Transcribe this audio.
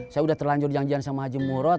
saya udah terlanjur janjian sama haji murot